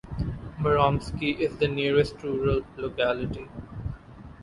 Muromsky is the nearest rural locality.